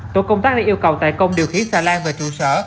tổ công tác đã yêu cầu tài công điều khiển xà lan về trụ sở